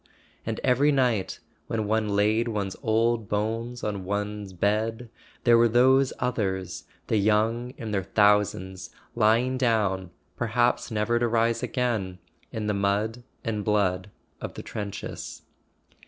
And every night, when one laid one's old bones on one's bed, there were those others, the young in their thou¬ sands, lying down, perhaps never to rise again, in the mud and blood of the trenches.